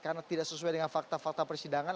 karena tidak sesuai dengan fakta fakta persidangan